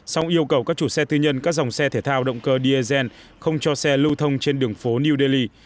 song yêu cầu các chủ xe tư nhân các dòng xe thể thao động cơ dsn không cho xe lưu thông trên đường phố new delhi